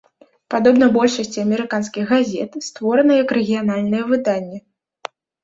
Падобна большасці амерыканскіх газет, створана як рэгіянальнае выданне.